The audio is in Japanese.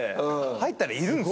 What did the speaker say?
入ったらいるんすよ。